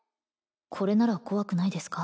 これなら怖くないですか？